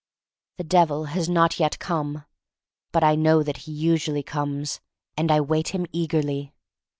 The Devil has not yet come. But I know that he usually comes, and I wait him eagerly.